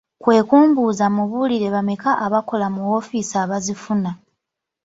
Kwe kumbuuza mmubuulire bameka abakola mu mawoofiisi abazifuna?